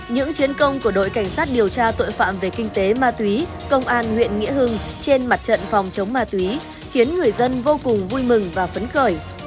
những chiến công của đội cảnh sát điều tra tội phạm về kinh tế ma túy trên mặt trận phòng chống ma túy khiến người dân vô cùng vui mừng và phấn khởi